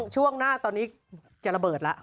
ช่วงหน้าตอนนี้จะระเบิดแล้ว